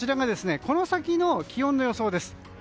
この先の気温の予想です。